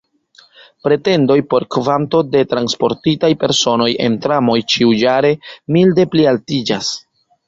Pretendoj por kvanto de transportitaj personoj en tramoj ĉiujare milde plialtiĝas.